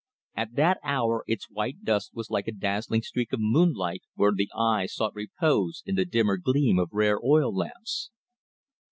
At that hour its white dust was like a dazzling streak of moonlight where the eye sought repose in the dimmer gleam of rare oil lamps.